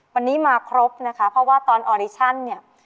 วันนี้มาครบนะคะเพราะว่าตอนออดิชั่นเนี่ย